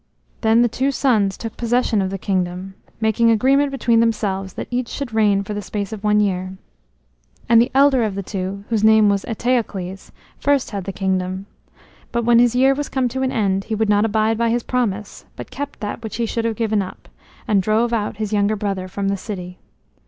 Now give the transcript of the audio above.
Then the two sons took possession of the kingdom, making agreement between themselves that each should reign for the space of one year. And the elder of the two, whose name was Eteocles, first had the kingdom; but when his year was come to an end, he would not abide by his promise, but kept that which he should have given up, and drove out his younger brother from the city.